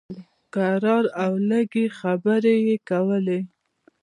کرار او لږې خبرې یې کولې.